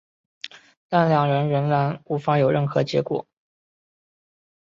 但两人仍然无法有任何结果。